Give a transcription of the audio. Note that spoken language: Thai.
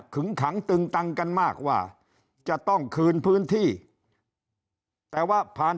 ขังตึงตังกันมากว่าจะต้องคืนพื้นที่แต่ว่าผ่าน